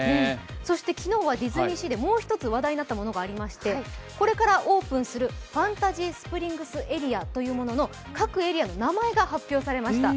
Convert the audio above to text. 昨日はディズニーシーでもう一つ話題になったものがありまして、これからオープンするファンタジースプリングスエリアというものの各エリアの名前が発表されました。